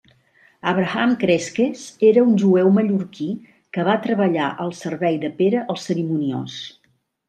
Abraham Cresques era un jueu mallorquí que va treballar al servei de Pere el Cerimoniós.